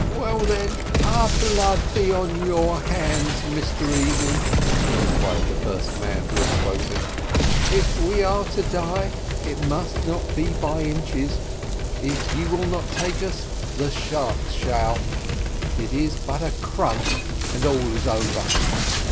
"Well, then, our blood be on your hands, Mr Easy," replied the first man who had spoken. "If we are to die, it must not be by inches if you will not take us, the sharks shall it is but a crunch, and all is over.